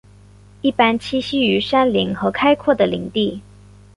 一般栖息于山林和开阔的林地。